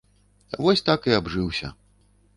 Вось так і абжыўся.